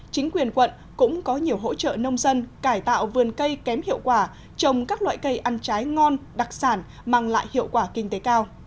chính quyền quận cũng có nhiều hỗ trợ nông dân cải tạo vườn cây kém hiệu quả trồng các loại cây ăn trái ngon đặc sản mang lại hiệu quả kinh tế cao